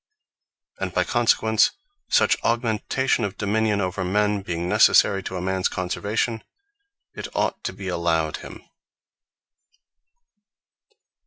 And by consequence, such augmentation of dominion over men, being necessary to a mans conservation, it ought to be allowed him.